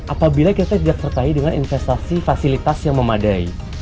apabila kita tidak sertai dengan investasi fasilitas yang memadai